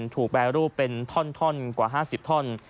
แปรรูปเป็นท่อนกว่า๕๐ท่อน